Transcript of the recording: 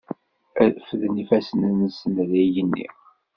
Refden ifassen-nsen ar yigenni.